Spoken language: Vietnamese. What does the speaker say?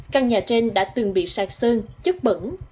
căn nhà trên đã từng bị sạc sơn chất bẩn